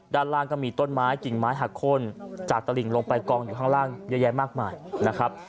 ด้านล่างก็มีต้นไม้กิ่งไม้หักโค้นจากตลิงลงไปกองอยู่ข้างล่างเยอะแยะมากมายนะครับ